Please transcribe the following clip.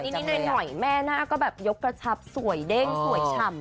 อย่างน้อยแม่น่าก็ยกกระชับสวยเด้งสวยฉ่ำแล้ว